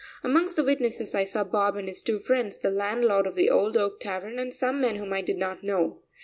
Amongst the witnesses, I saw Bob and his two friends, the landlord of the Old Oak Tavern, and some men whom I did not know.